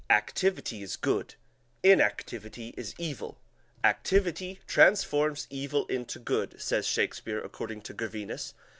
"Activity is good, inactivity is evil. Activity transforms evil into good," says Shakespeare, according to Gervinus.